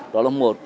đó là một